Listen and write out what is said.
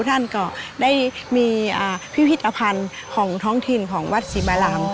ท่านก็ได้มีพิพิธภัณฑ์ของท้องถิ่นของวัดศรีบาราม